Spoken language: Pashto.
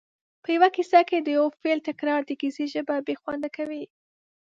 په یوه کیسه کې د یو فعل تکرار د کیسې ژبه بې خونده کوي